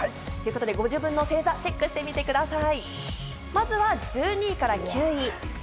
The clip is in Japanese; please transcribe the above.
ご自分の星座、チェックしてみてください。